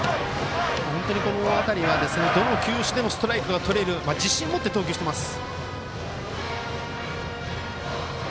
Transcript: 本当にこの辺りはどの球種でもストライクがとれる自信を持って投球しています。